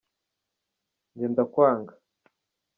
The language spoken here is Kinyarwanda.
njyendakwanga